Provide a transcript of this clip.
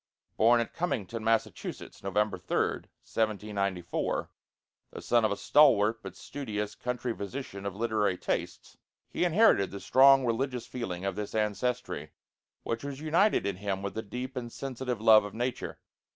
Born at Cummington, Massachusetts, November 3d, 1794, the son of a stalwart but studious country physician of literary tastes, he inherited the strong religious feeling of this ancestry, which was united in him with a deep and sensitive love of nature.